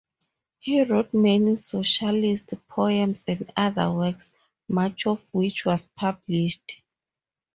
He wrote many socialist poems and other works, much of which was published.